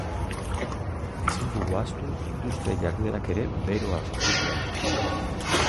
Ezin dugu ahaztu industria-jarduerak ere beroa sortzen duela.